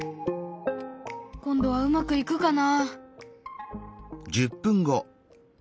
今度はうまくいくかな？